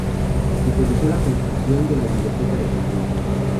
Supervisó la construcción de la Biblioteca del Congreso.